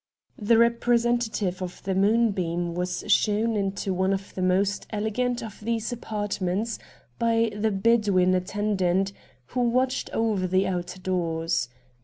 The representative of the ' Moon beam ' was shown into one of the most elegant of these apartments by the Bedouin attendant, who watched over the outer doors.